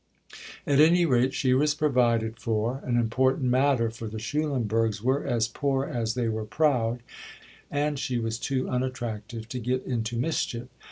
At any rate she was provided for an important matter, for the Schulenburgs were as poor as they were proud and she was too unattractive to get into mischief.